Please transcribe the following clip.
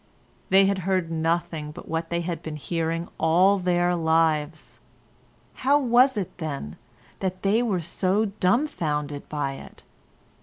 They had heard nothing but what they had been hearing all their lives; how was it, then, that they were so dumbfoundered by it?